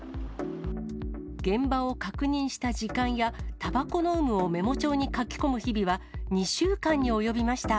現場を確認した時間や、たばこの有無をメモ帳に書き込む日々は２週間に及びました。